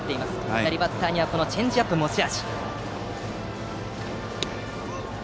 左バッターにはチェンジアップが持ち味。